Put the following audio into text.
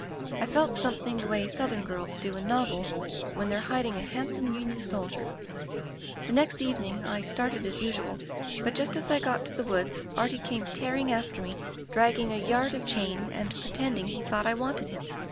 I felt something the way Southern girls do in novels, when they're hiding a handsome Union soldier. "The next evening I started as usual, but just as I got to the woods, Artie came tear ing after me, dragging a yard of chain and pretending he thought I wanted him!